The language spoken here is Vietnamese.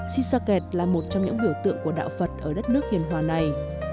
sisaket là một trong những biểu tượng của đạo phật ở đất nước hiền hòa này